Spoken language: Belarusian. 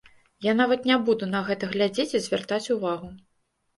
Я нават не буду на гэта глядзець і звяртаць увагу.